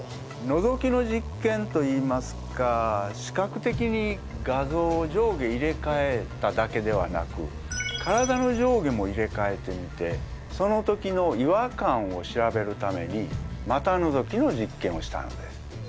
のぞきの実験といいますか視覚的に画像を上下入れかえただけではなく体の上下も入れかえてみてその時の違和感を調べるために股のぞきの実験をしたんです。